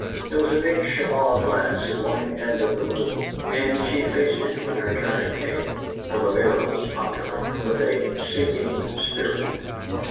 There was a big cheval glass at one end of the room, and she faced it, when her turn came for the mirror was popular with a sinking spirit.